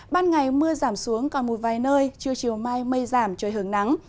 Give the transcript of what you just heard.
ban ngày mưa giảm xuống còn một vài nơi trưa chiều mai mây giảm trời hứng nắng